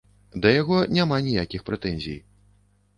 Да яго няма ніякіх прэтэнзій.